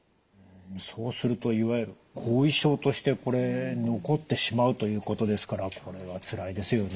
そうするといわゆる後遺症としてこれ残ってしまうということですからこれはつらいですよね。